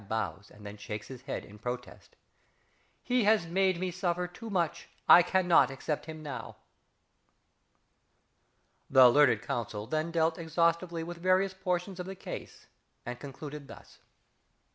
~ bows, and then shakes his head in protest_), he has made me suffer too much, I cannot accept him now!" (_The learned Counsel then dealt exhaustively with various portions of the case, and concluded thus.